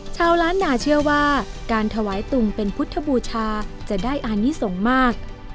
ชาวล้านนาเชื่อว่าการถวายตุงเป็นพุทธบูชาจะได้อานิสงฆ์มาก